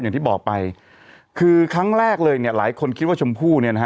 อย่างที่บอกไปคือครั้งแรกเลยเนี่ยหลายคนคิดว่าชมพู่เนี่ยนะฮะ